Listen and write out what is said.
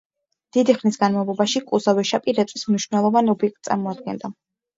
დიდი ხნის განმავლობაში კუზა ვეშაპი რეწვის მნიშვნელოვან ობიექტს წარმოადგენდა.